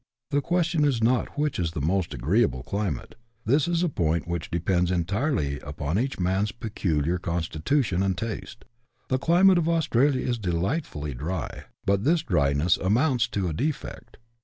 The question is not which is the most agreeable climate ; this is a point which depends entirely upon each man's peculiar con stitution and taste. The climate of Australia is delightfully dry, but this dryness amounts to a defect.